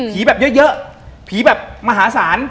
แบบเยอะผีแบบมหาศาล